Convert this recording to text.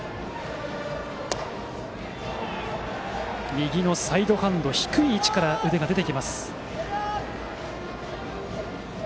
右のサイドハンド、低い位置から腕が出てきます。